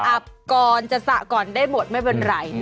ก่อนจะสระก่อนได้หมดไม่เป็นไร